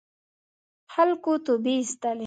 خلکو توبې اېستلې.